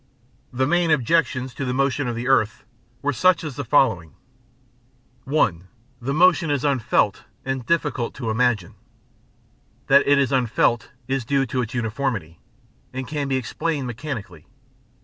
The main objections to the motion of the earth were such as the following: 1. The motion is unfelt and difficult to imagine. That it is unfelt is due to its uniformity, and can be explained mechanically.